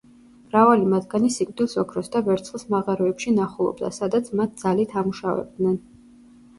მრავალი მათგანი სიკვდილს ოქროს და ვერცხლის მაღაროებში ნახულობდა, სადაც მათ ძალით ამუშავებდნენ.